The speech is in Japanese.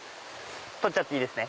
取っちゃっていいですね。